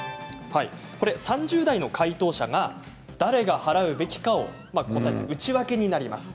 ３０代の回答者が誰が払うべきかを答えた内訳になります。